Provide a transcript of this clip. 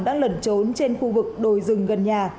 đã lẩn trốn trên khu vực đồi rừng gần nhà